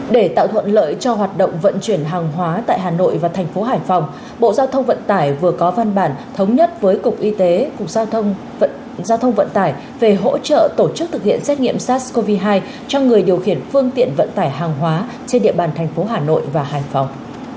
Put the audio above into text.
để tạo thuận lợi cho hoạt động vận chuyển hàng hóa tại hà nội và thành phố hải phòng bộ giao thông vận tải vừa có văn bản thống nhất với cục y tế cục giao thông vận tải về hỗ trợ tổ chức thực hiện xét nghiệm sars cov hai cho người điều khiển phương tiện vận tải hàng hóa trên địa bàn thành phố hà nội và hải phòng